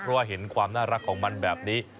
เพราะว่าเห็นความน่ารักของมันแบบนี้